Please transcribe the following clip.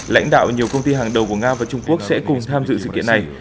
lãnh đạo nhiều công ty hàng đầu của nga và trung quốc sẽ cùng tham dự sự kiện này